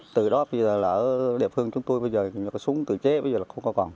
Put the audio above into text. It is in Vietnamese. từ đó bây giờ ở địa phương chúng tôi bây giờ có súng tự chế bây giờ là không có còn